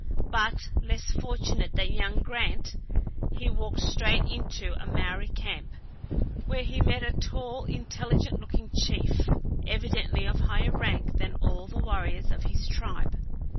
But less fortunate than young Grant, he walked straight into a Maori camp, where he met a tall, intelligent looking chief, evidently of higher rank than all the warriors of his tribe.